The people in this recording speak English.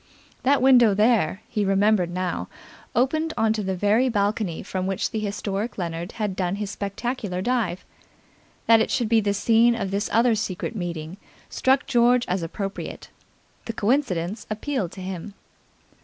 That window there, he remembered now, opened on to the very balcony from which the historic Leonard had done his spectacular dive. That it should be the scene of this other secret meeting struck George as appropriate. The coincidence appealed to him.